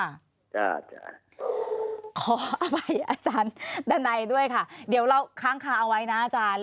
อาจารย์ขออภัยอาจารย์ดันัยด้วยค่ะเดี๋ยวเราค้างคาเอาไว้นะอาจารย์